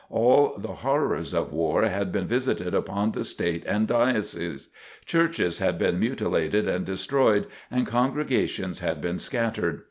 All the horrors of war had been visited upon the State and Diocese. Churches had been mutilated and destroyed and congregations had been scattered.